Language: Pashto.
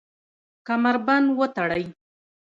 کمربند وتړئ